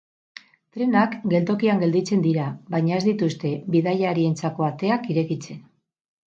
Trenak geltokian gelditzen dira, baina ez dituzte bidaiarientzako ateak irekitzen.